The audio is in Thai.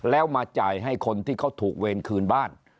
แล้วมาจ่ายให้คนที่เขาถูกเวรคืนบ้าน